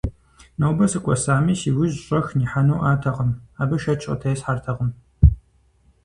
Нобэ сыкӀуэсами, си ужь щӀэх нихьэнуӀатэкъым – абы шэч къытесхьэртэкъым.